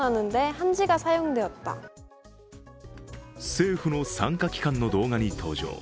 政府の傘下機関の動画に登場。